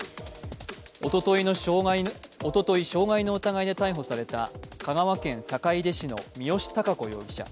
おととい傷害の疑いで逮捕された香川県坂出市の三好貴子容疑者。